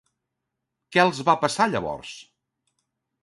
Què els va passar llavors?